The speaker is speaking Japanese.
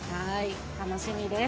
楽しみです。